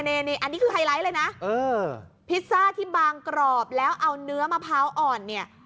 อันนี้คือไฮไลท์เลยนะพิซซ่าที่บางกรอบแล้วเอาเนื้อมะพร้าวอ่อนเนี่ย